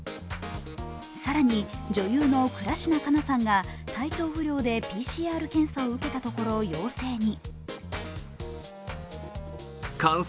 更に、女優の倉科カナさんが体調不良でＰＣＲ検査を受けたところ、陽性に。